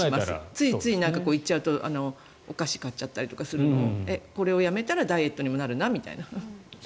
ついつい行っちゃうとお菓子買ったりするのもこれをやめたらダイエットにもなるなみたいな。